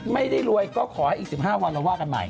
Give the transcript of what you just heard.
ไม่ได้รวยก็ขอให้อีก๑๕วันเราว่ากันใหม่